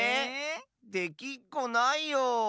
できっこないよ。